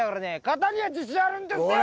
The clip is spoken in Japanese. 肩には自信あるんですよ！